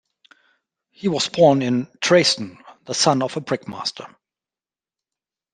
He was born in Dresden, the son of a brickmaster.